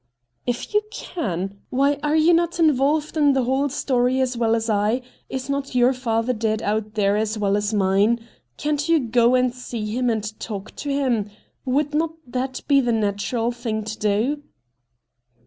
' If you can ! Why — are you not involved in the whole story as well as I ? Is not your father dead out there as well as mine ? Can't you go and see him and talk to him P Would not that be the natural thing to do